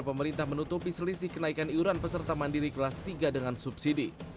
pemerintah menutupi selisih kenaikan iuran peserta mandiri kelas tiga dengan subsidi